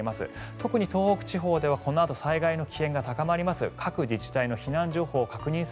特に東北地方ではこのあと災害の危険性が高まります。